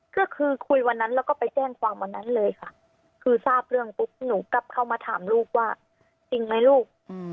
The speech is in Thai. ก็คือคุยวันนั้นแล้วก็ไปแจ้งความวันนั้นเลยค่ะคือทราบเรื่องปุ๊บหนูกลับเข้ามาถามลูกว่าจริงไหมลูก